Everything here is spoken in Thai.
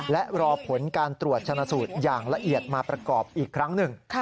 และรอผลการตรวจชนะสูตรอย่างละเอียดมาประกอบอีกครั้งหนึ่ง